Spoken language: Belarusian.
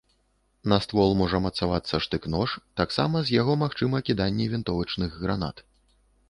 На ствол можа мацавацца штык-нож, таксама з яго магчыма кіданне вінтовачных гранат.